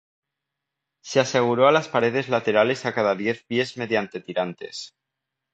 Se aseguró a las paredes laterales a cada diez pies mediante tirantes.